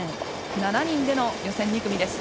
７人での予選２組です。